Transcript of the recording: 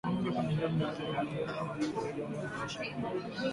Uvimbe kwenye eneo lililoathirika wenye joto na unaouma ni dalili ya ugonjwa wa chambavu